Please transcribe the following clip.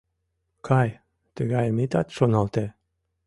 Кай, тыгайым итат шоналте.